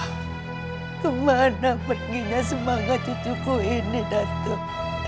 kemana perginya semangat cucuku ini datuk